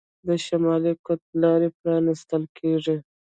د شمالي قطب لارې پرانیستل کیږي.